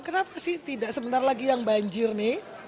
kenapa sih tidak sebentar lagi yang banjir nih